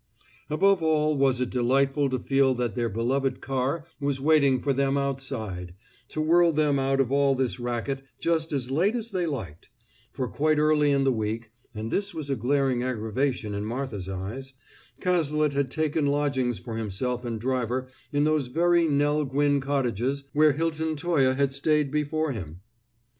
Above all was it delightful to feel that their beloved car was waiting for them outside, to whirl them out of all this racket just as late as they liked; for quite early in the week (and this was a glaring aggravation in Martha's eyes) Cazalet had taken lodgings for himself and driver in those very Nell Gwynne Cottages where Hilton Toye had stayed before him.